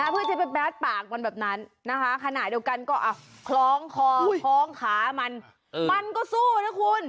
ปากมันแบบนั้นนะคะขนาดเดียวกันก็อ่ะคล้องคอคล้องขามันมันก็สู้นะคุณ